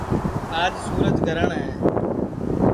آج سُورج گرہٹؔ ہے